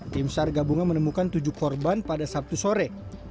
tim sar gabungan menemukan tujuh korban pada sabtu sore